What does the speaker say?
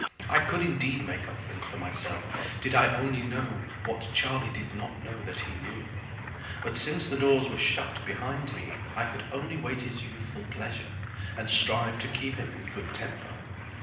I could indeed make up things for myself did I only know what Charlie did not know that he knew. But since the doors were shut behind me I could only wait his youthful pleasure and strive to keep him in good temper.